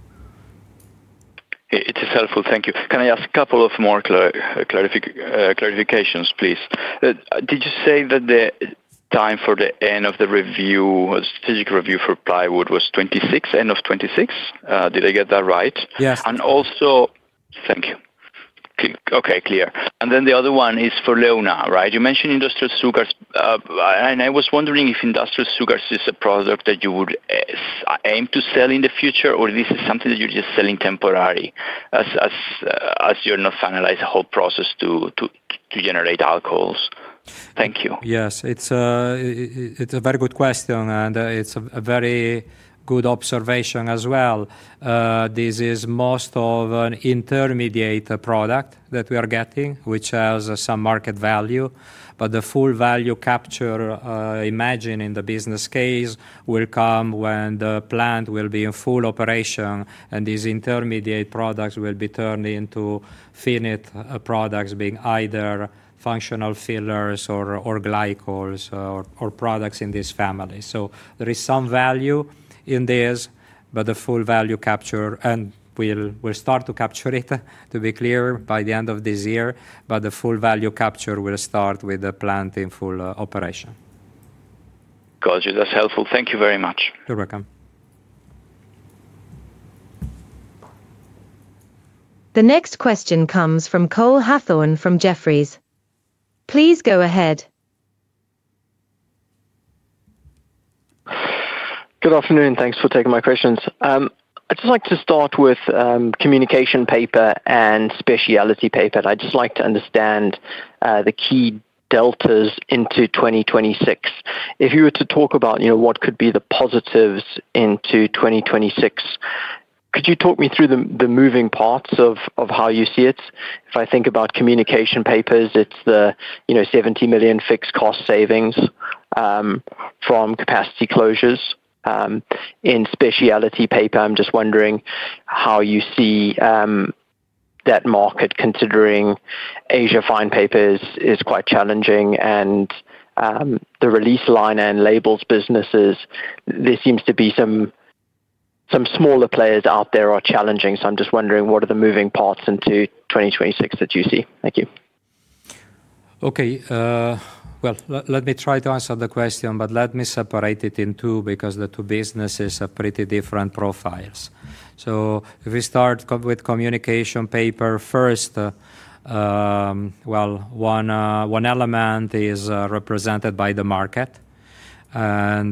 It is helpful. Thank you. Can I ask a couple of more clarifications, please? Did you say that the time for the end of the review, strategic review for Plywood, was 2026? End of 2026. Did I get that right? Yes. Thank you. Okay, clear. The other one is for Leuna, right? You mentioned industrial sugars, and I was wondering if industrial sugars is a product that you would aim to sell in the future, or if this is something that you're just selling temporarily as you're not finalizing the whole process to generate alcohols. Thank you. Yes, it's a very good question and it's a very good observation as well. This is most of an intermediate product that we are getting, which has some market value. The full value capture imagined in the business case will come when the plant will be in full operation and these intermediate products will be turned into finite products, being either functional fillers or glycols or products in this family. There is some value in this, but the full value capture, and we'll start to capture it, to be clear, by the end of this year. The full value capture will start with the plant in full operation. Got you. That's helpful. Thank you very much. You're welcome. The next question comes from Cole Hathorn from Jefferies. Please go ahead. Good afternoon. Thanks for taking my questions. I'd like to start with Communication Papers and Specialty Papers. I'd just like to understand the key deltas into 2026. If you were to talk about, you know, what could be the positives into 2026, could you talk me through the moving parts of how you see it? If I think about Communication Papers, it's the 70 million fixed cost savings from capacity closures in Specialty Papers. I'm just wondering how you see that market considering Asia Fine Papers is quite challenging and the release liner and labels businesses, there seem to be some smaller players out there challenging. I'm just wondering what are the moving parts into 2026 that you see? Thank you. Okay, let me try to answer the question, but let me separate it in two because the two businesses are pretty different profiles. If we start with Communication Papers first, one element is represented by the market, and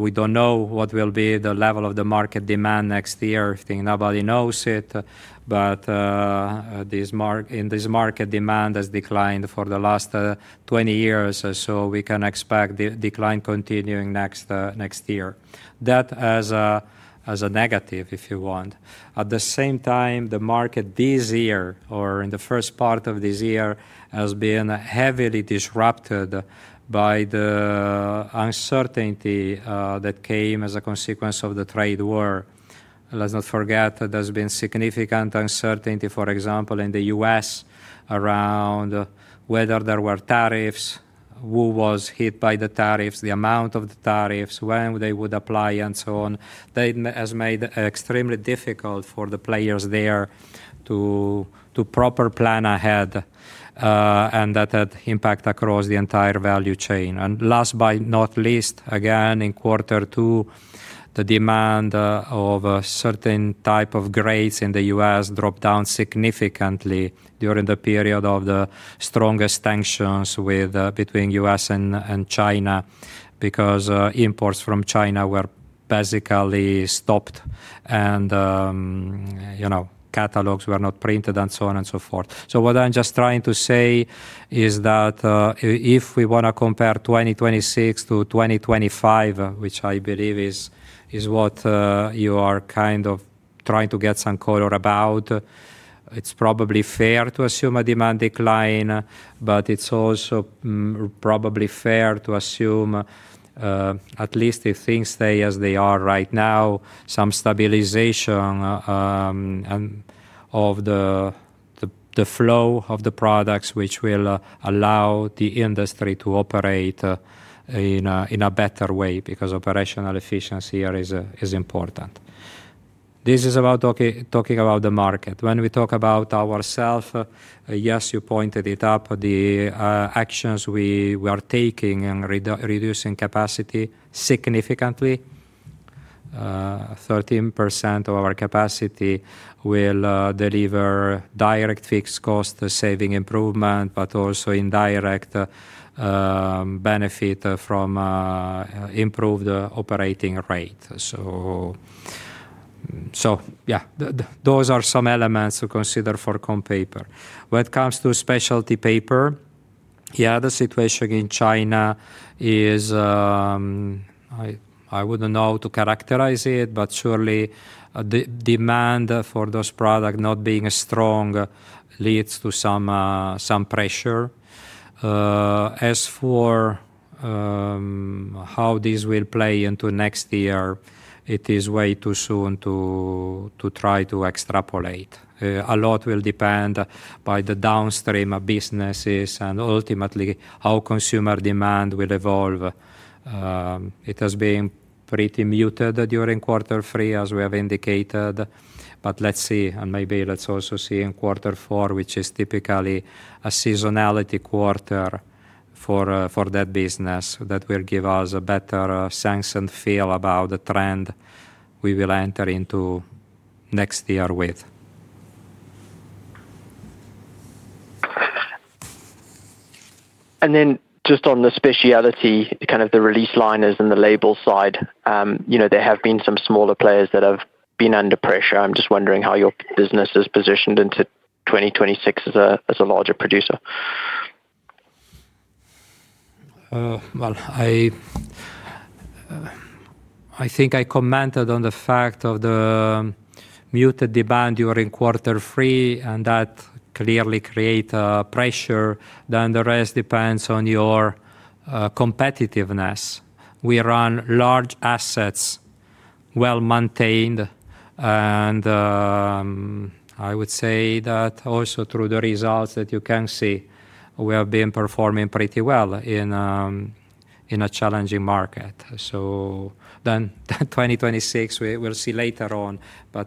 we don't know what will be the level of the market demand next year. Nobody knows it, but in this market, demand has declined for the last 20 years. We can expect the decline continuing next year. That is a negative if you want. At the same time, the market this year or in the first part of this year has been heavily disrupted by the uncertainty that came as a consequence of the trade war. Let's not forget that there's been significant uncertainty, for example, in the U.S. around whether there were tariffs, who was hit by the tariffs, the amount of the tariffs, when they would apply, and so on. That has made it extremely difficult for the players there to properly plan ahead. That had impact across the entire value chain. Last but not least, again, in quarter two, the demand of a certain type of grades in the U.S. dropped down significantly during the period of the strongest tensions between the U.S. and China, because imports from China were basically stopped and, you know, catalogs were not printed and so on and so forth. What I'm just trying to say is that if we want to compare 2026-2025, which I believe is what you are kind of trying to get some color about, it's probably fair to assume a demand decline. It's also probably fair to assume, at least if things stay as they are right now, some stabilization of the flow of the products, which will allow the industry to operate in a better way because operational efficiency is important. This is about talking about the market. When we talk about ourselves, yes, you pointed it up. The actions we are taking and reducing capacity significantly, 13% of our capacity, will deliver direct fixed cost saving improvement, but also indirect benefit from improved operating rate. Those are some elements to consider for Communication Papers. When it comes to Specialty Papers, the situation in China is, I wouldn't know how to characterize it, but surely the demand for those products not being strong leads to some pressure. As for how this will play into next year, it is way too soon to try to extrapolate. A lot will depend on the downstream of businesses and ultimately how consumer demand will evolve. It has been pretty muted during quarter three, as we have indicated. Let's see, and maybe let's also see in quarter four, which is typically a seasonality quarter for that business. That will give us a better sense and feel about the trend we will enter into next year with. On the specialty, kind of the release liners and the label side, there have been some smaller players that have been under pressure. I'm just wondering how your business is positioned into 2026 as a larger producer. I think I commented on the fact of the muted demand during quarter three, and that clearly creates pressure. Then the rest depends on your competitiveness. We run large assets, well maintained, and I would say that also through the results that you can see, we have been performing pretty well in a challenging market. In 2026, we will see later on.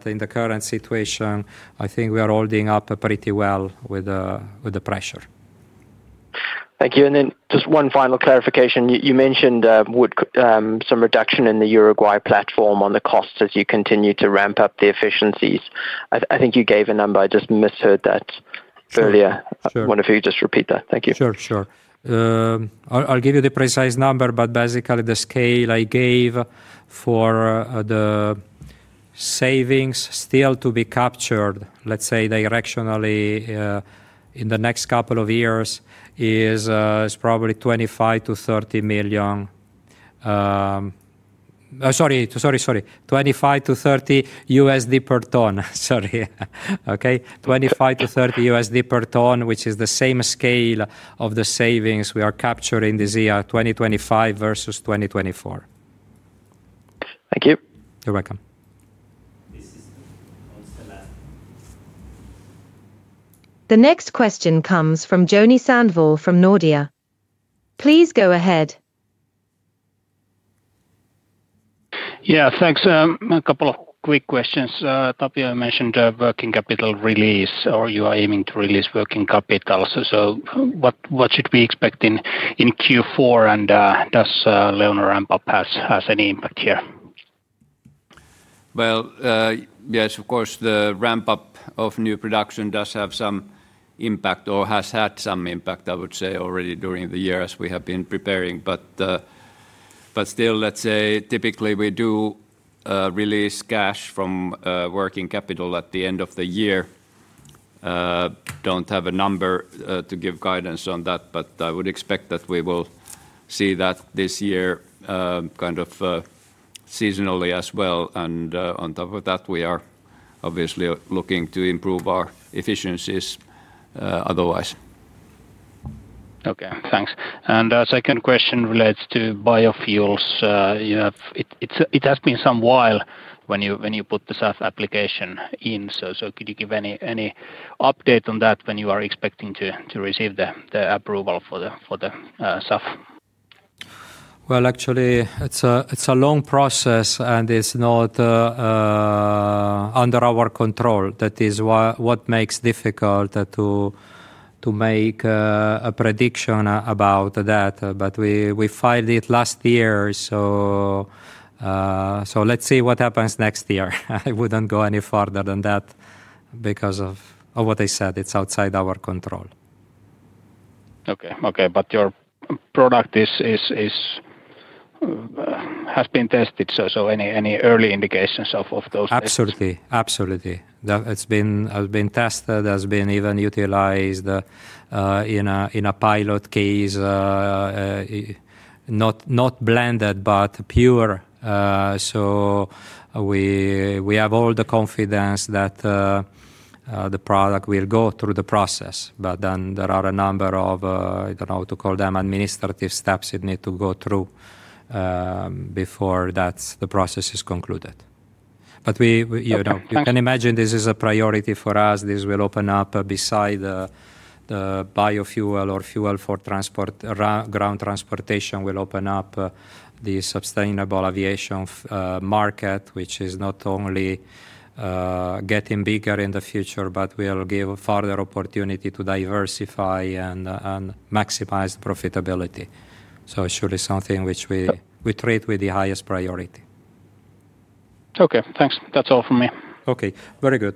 In the current situation, I think we are holding up pretty well with the pressure. Thank you. Just one final clarification. You mentioned some reduction in the Uruguay platform on the costs as you continue to ramp up the efficiencies. I think you gave a number. I just misheard that earlier. If you just repeat that. Thank you. Sure. I'll give you the precise number. Basically, the scale I gave for the savings still to be captured, let's say directionally in the next couple of years, is probably $25-$30 million. Sorry, $25-$30 per ton. Sorry. Okay, $25-$30 per ton, which is the same scale of the savings we are capturing this year. 2025 versus 2024. Thank you. You're welcome. The next question comes from Joni Sandvall from Nordea. Please go ahead. Yeah, thanks. A couple of quick questions. Tapio mentioned working capital release or you are aiming to release working capital. What should we expect in Q4, and does Leuna ramp-up have any impact here? Of course, the ramp up of new production does have some impact or has had some impact, I would say already during the year as we have been preparing. Still, let's say typically we do release cash from working capital at the end of the year. Don't have a number to give guidance on that, but I would expect that we will see that this year kind of seasonally as well. On top of that, we are obviously looking to improve our efficiencies, otherwise. Okay, thanks. My second question relates to biofuels. It has been some while since you put the SAF application in. Could you give any update on when you are expecting to receive the approval for the SAF? Actually, it's a long process and it's not under our control. That is what makes it difficult to make a prediction about that. We filed it last year. Let's see what happens next year. I wouldn't go any further than that because of what I said, it's outside our control. Okay. Okay. Your product has been tested, so any early indications of those? Absolutely, absolutely. It's been tested, has been even utilized in a pilot case. Not blended but pure. We have all the confidence that the product will go through the process. There are a number of, I don't know, to call them administrative steps it needs to go through before the process is concluded. You can imagine this is a priority for us. This will open up, beside the biofuel or fuel for transport, ground transportation, the sustainable aviation market, which is not only getting bigger in the future, but will give a further opportunity to diversify and maximize the profitability. Surely something which we treat with the highest priority. Okay, thanks. That's all from me. Okay, very good.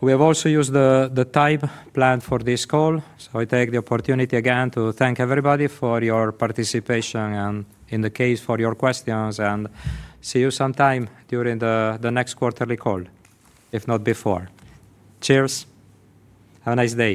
We have also used the type plan for this call. I take the opportunity again to thank everybody for your participation and in the case for your questions, and see you sometime during the next quarterly call, if not before. Cheers. Have a nice day.